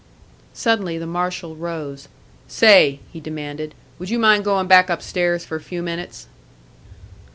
Suddenly the marshal rose. "Say," he demanded, "would you mind going back upstairs for a few minutes?"